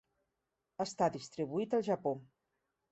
Està distribuït al Japó.